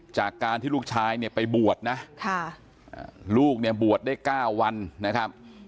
จากการที่ลูกชายเนี่ยไปบวชนะลูกเนี่ยบวชได้๙วันนะครับ